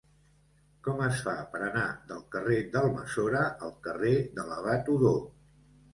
Com es fa per anar del carrer d'Almassora al carrer de l'Abat Odó?